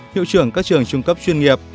hiệu trưởng các trường trung cấp chuyên nghiệp